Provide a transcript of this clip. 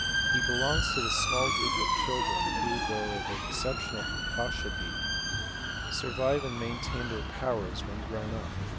He belongs to the small group of children who, though of exceptional precocity, survive and maintain their powers when grown up.